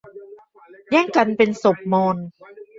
แย่งกันเป็นศพมอญ